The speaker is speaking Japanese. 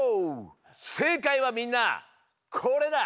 せいかいはみんなこれだ！